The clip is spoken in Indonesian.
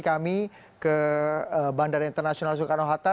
kami ke bandara internasional soekarno hatta